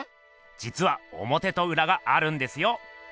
じつはおもてとうらがあるんですよ。